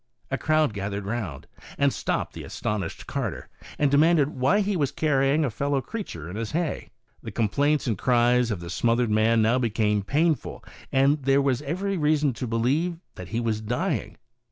A crowd gathered round and stopped the astonished carter, and demanded why he was carrying a fellow creature in his hay. The complaints and cries of the smothered man now became painful, and there was every reason to believe that he was dying.